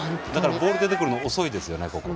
ボールが出てくるの遅いですよね。